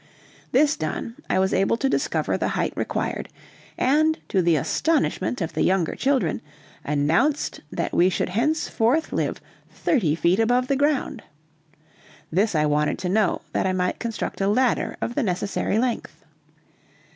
This done, I was able to discover the height required, and, to the astonishment of the younger children, announced that we should henceforth live thirty feet above the ground. This I wanted to know, that I might construct a ladder of the necessary length.